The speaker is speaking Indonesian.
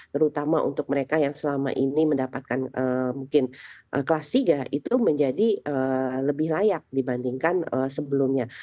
terutama untuk mereka yang selama ini mendapatkan mungkin kelas tiga itu menjadi lebih layak dibandingkan sebelumnya